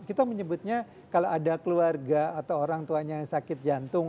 kita menyebutnya kalau ada keluarga atau orang tuanya yang sakit jantung